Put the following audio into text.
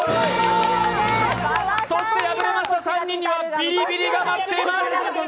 そして敗れました３人にはビリビリが待っています。